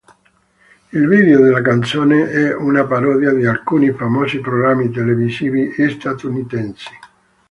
Il video della canzone è una parodia di alcuni famosi programmi televisivi statunitensi.